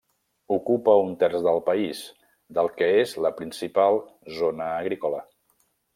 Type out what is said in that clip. Ocupa un terç del país, del que és la principal zona agrícola.